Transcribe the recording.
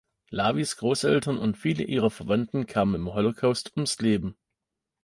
Lavis Großeltern und viele ihrer Verwandten kamen im Holocaust ums Leben.